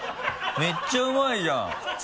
めっちゃうまいじゃん。